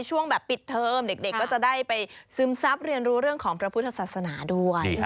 ช่วงแบบปิดเทอมเด็กก็จะได้ไปซึมซับเรียนรู้เรื่องของพระพุทธศาสนาด้วย